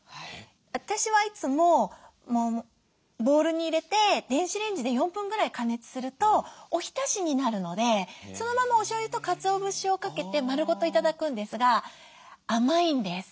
私はいつもボウルに入れて電子レンジで４分ぐらい加熱するとおひたしになるのでそのままおしょうゆとかつお節をかけて丸ごと頂くんですが甘いんです。